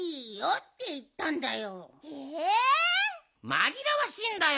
まぎらわしいんだよ